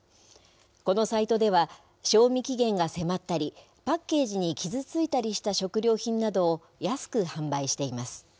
このサイトでは、賞味期限が迫ったり、パッケージに傷ついたりした食料品などを安く販売しています。